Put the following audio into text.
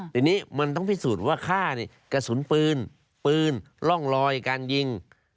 ทีนี้มันต้องพิสูจน์ว่าฆ่ากระสุนปืนปืนร่องรอยการยิง